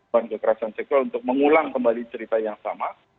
korban kekerasan seksual untuk mengulang kembali cerita yang sama